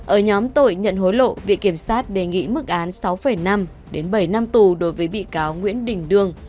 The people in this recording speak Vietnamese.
ở nhóm tội nhận hối lộ viện kiểm sát đề nghị mức án sáu năm đến bảy năm tù đối với bị cáo nguyễn đình đương